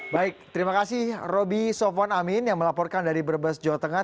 baik terima kasih roby sofwan amin yang melaporkan dari brebes jawa tengah